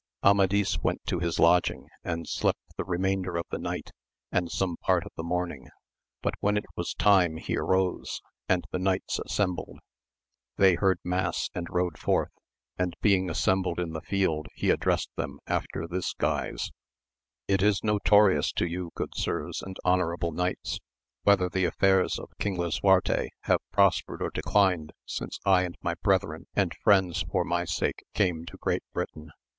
Amadis went to his lodging and slept the remainder of the night and some part of the morning, but when it was time he arose, and the knights assembled, they heard mass and rode forth, and being assembled in AMADIS OF GAUL. Ill the field he addressed them after this guise :— ^It is notorious to you, good sirs and honourable knights, whether the affairs of King Lisuarte have prospered or declined since I and my brethren and friends for my sake came to Great Britain.